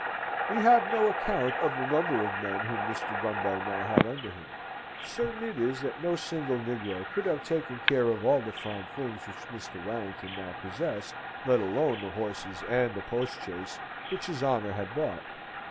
We have no account of the number of men whom Mr. Gumbo now had under him. Certain it is that no single negro could have taken care of all the fine things which Mr. Warrington now possessed, let alone the horses and the postchaise which his honour had bought.